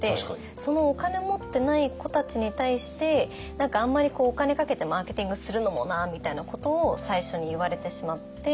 「そのお金持ってない子たちに対して何かあんまりお金かけてマーケティングするのもな」みたいなことを最初に言われてしまって。